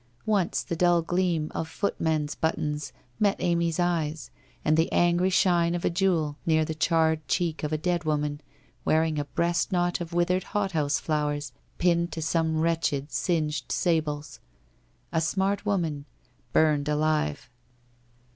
Once the dull gleam of footman's buttons met Amy's eyes, and the angry shine of a jewel near the charred cheek of a dead woman, wearing a breast knot of withered hot house flowers pinned to some wretched singed sables. A smart woman, burned alive.